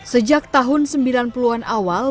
sejak tahun sembilan puluh an awal